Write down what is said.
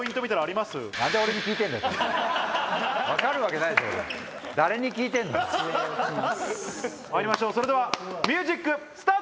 まいりましょうそれではミュージックスタート！